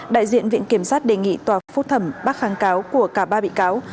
đại diện viện kiểm sát đề nghị tòa phúc thẩm bác kháng cáo của cả ba bị cáo